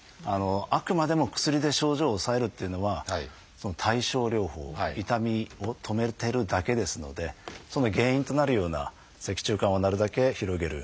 あくまでも薬で症状を抑えるっていうのは対症療法痛みを止めてるだけですのでその原因となるような脊柱管をなるだけ広げる。